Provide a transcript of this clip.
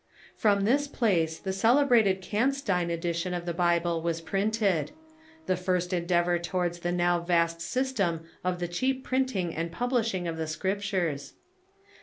From this place the celebrated Canstein edition of the Bible was printed — the first endeavor towards the now vast system of the cheap printing and publish ing of the Scriptures.